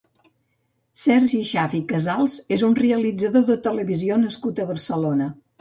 Sergi Schaaff i Casals és un realitzador de televisió nascut a Barcelona.